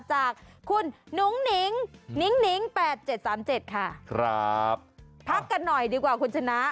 จากคุณหนุ่งหนิงนิ้งหิง๘๗๓๗ค่ะครับพักกันหน่อยดีกว่าคุณชนะ